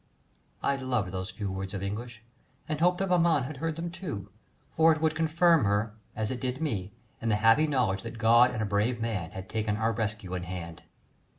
I loved those few words of English, and hoped that maman had heard them too, for it would confirm her as it did me in the happy knowledge that God and a brave man had taken our rescue in hand.